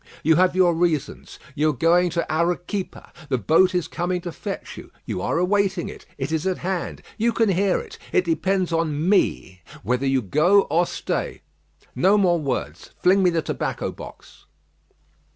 You have your reasons. You are going to Arequipa. The boat is coming to fetch you. You are awaiting it. It is at hand. You can hear it. It depends on me whether you go or stay. No more words. Fling me the tobacco box."